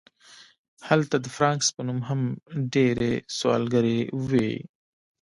هلته د فرانکس په نوم هم ډیرې سوداګرۍ وې